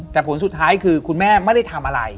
แต่ผลสุดท้ายคือคุณแม่ไม่ได้ทำอะไร